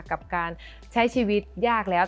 กับการใช้ชีวิตยากแล้ว